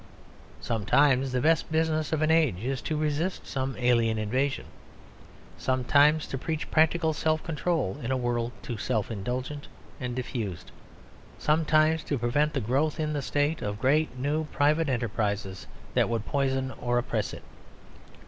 Sometimes the best business of an age is to resist some alien invasion; sometimes to preach practical self control in a world too self indulgent and diffused; sometimes to prevent the growth in the State of great new private enterprises that would poison or oppress it.